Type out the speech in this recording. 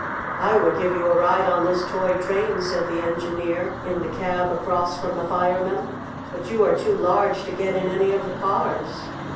"I would give you a ride on this toy train," said the Engineer in the cab across from the Fireman, "but you are too large to get in any of the cars."